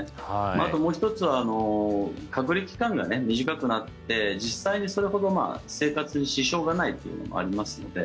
あと、もう１つは隔離期間が短くなって実際にそれほど生活に支障がないというのもありますので。